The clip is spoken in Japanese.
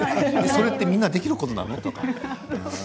それってみんなできることなの？とか。